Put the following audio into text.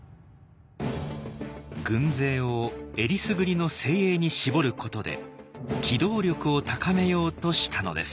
軍勢をえりすぐりの精鋭に絞ることで機動力を高めようとしたのです。